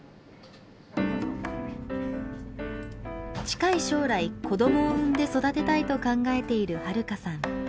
近い将来、子どもを産んで育てたいと考えている春香さん。